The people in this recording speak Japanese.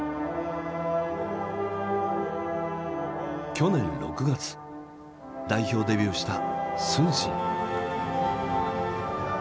去年６月代表デビューした承信。